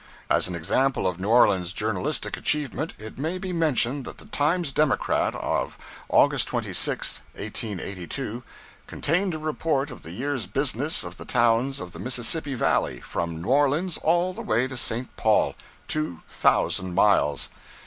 As an example of New Orleans journalistic achievement, it may be mentioned that the 'Times Democrat' of August 26, 1882, contained a report of the year's business of the towns of the Mississippi Valley, from New Orleans all the way to St. Paul two thousand miles.